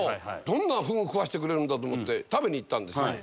どんなフグ食わしてくれるんだと思って食べに行ったんですよ。